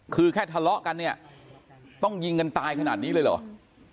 คือแค่ทะเลาะกันเนี่ยต้องยิงกันตายขนาดนี้เลยเหรอ